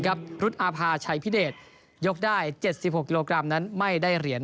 ครับรุธอภาชัยพิเดชยกได้เจ็ดสิบหกกรัมนั้นไม่ได้เหรียญ